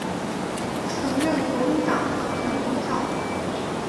曾任国民党党团总召。